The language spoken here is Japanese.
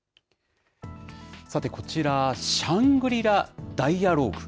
さてこちら、シャングリラ・ダイアローグ。